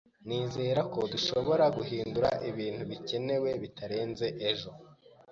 Nizera ko dushobora guhindura ibintu bikenewe bitarenze ejo.